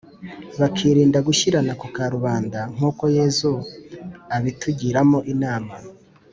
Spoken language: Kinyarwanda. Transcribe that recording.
bakirindagushyirana ku karubanda nk’uko yezu abitugiramo inama.